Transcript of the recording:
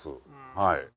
はい。